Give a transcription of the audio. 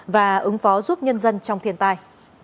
và ứng phó giúp nhân dân trong thiên tai